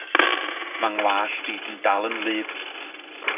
Mae 'ngwallt i'n dal yn wlyb.